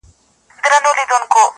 • دا له کومه کوه قافه را روان یې -